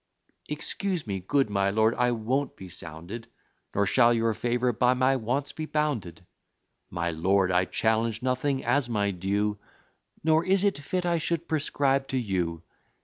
"Excuse me, good my lord I won't be sounded, Nor shall your favour by my wants be bounded. My lord, I challenge nothing as my due, Nor is it fit I should prescribe to you.